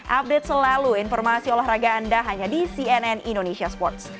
update selalu informasi olahraga anda hanya di cnn indonesia sports